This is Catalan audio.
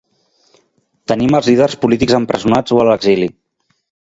Tenim els líders polítics empresonats o a l’exili.